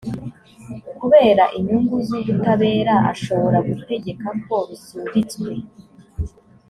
kubera inyungu z’ubutabera ashobora gutegeka ko rusubitswe